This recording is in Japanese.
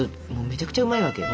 めちゃくちゃうまいわけよ。